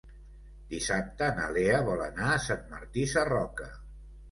Dissabte na Lea vol anar a Sant Martí Sarroca.